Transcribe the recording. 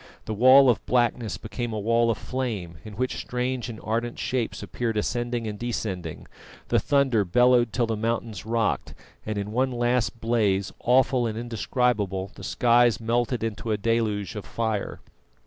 The wall of blackness became a wall of flame, in which strange and ardent shapes appeared ascending and descending; the thunder bellowed till the mountains rocked, and in one last blaze, awful and indescribable, the skies melted into a deluge of fire.